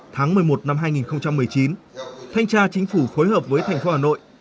tháng một mươi một năm hai nghìn một mươi chín thanh tra chính phủ phối hợp với thành phố hà nội